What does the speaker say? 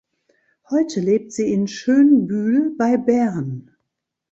Heute lebt sie in Schönbühl bei Bern.